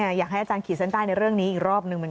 เราอยากให้อาจารย์ขีดเส้นใต้ในเรื่องนี้อีกรอบหนึ่ง